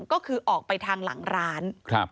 ก็คือออกไปทางหลังร้าน